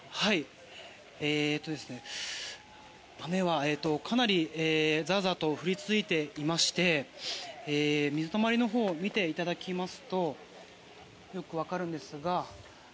雨はかなりザーザーと降り続いていまして水たまりのほうを見ていただきますとよく分かるんですが。